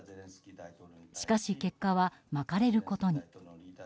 しかし、結果はまかれることに。